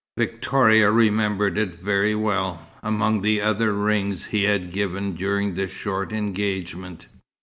Victoria remembered it very well, among the other rings he had given during the short engagement.